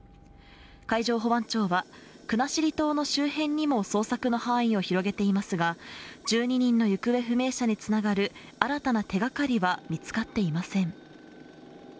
海上保安庁は国後島の周辺にも捜索の範囲を広げていますが１２人の行方不明者につながる新たな手がかりは見つかっていません